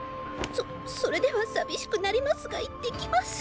そっそれでは寂しくなりますが行って来ます。